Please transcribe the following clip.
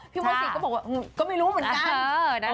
พี่มนต์สิทธิ์ก็บอกว่าก็ไม่รู้เหมือนกัน